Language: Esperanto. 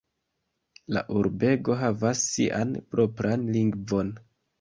La urbego havas sian propran lingvon.